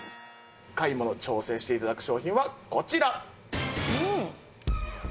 買い物挑戦して頂く商品はこちら！